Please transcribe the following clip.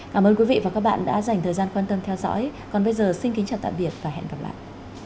cảm ơn các bạn đã theo dõi và hẹn gặp lại